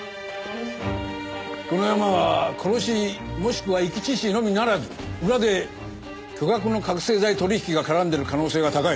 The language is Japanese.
このヤマは殺しもしくは遺棄致死のみならず裏で巨額の覚醒剤取引が絡んでいる可能性が高い。